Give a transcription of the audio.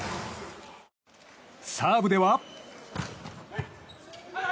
サーブでは。